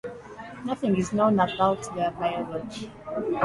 Nothing is known about their biology.